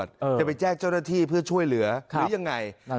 จะไปแจ้งเจ้าหน้าที่เพื่อช่วยเหลือหรือยังไง